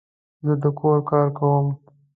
زه د کور کار کوم